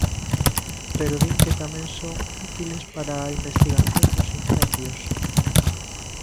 Pero din que tamén son útiles para a investigación dos incendios.